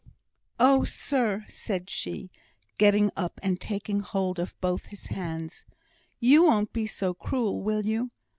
"Oh! sir," said she, getting up and taking hold of both his hands, "you won't be so cruel, will you?